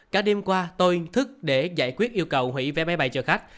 cả đêm qua tôi thức để giải quyết yêu cầu hủy vé máy bay chở khách